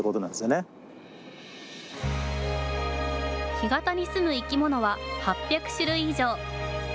干潟に住む生き物は８００種類以上。